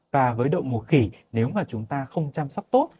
và với đậu mùa khỉ nếu mà chúng ta không chăm sóc tốt